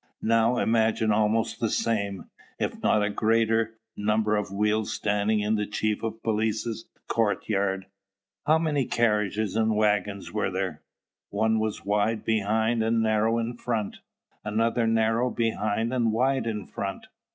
Now, imagine almost the same, if not a greater, number of wheels standing in the chief of police's courtyard. How many carriages and waggons were there! One was wide behind and narrow in front; another narrow behind and wide in front.